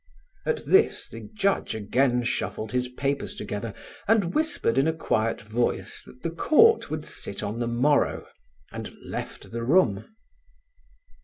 At this the Judge again shuffled his papers together and whispered in a quiet voice that the court would sit on the morrow, and left the room.